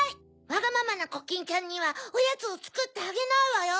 わがままなコキンちゃんにはおやつをつくってあげないわよ。